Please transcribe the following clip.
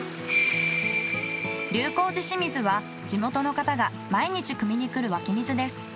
龍興寺清水は地元の方が毎日汲みにくる湧き水です。